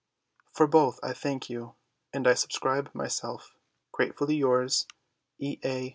For both I thank you, and I subscribe myself, Gratefully yours, E. A.